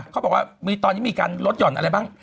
เขาบอกว่าโลกตลอดละมีการลดหย่อนอะไรบ้าง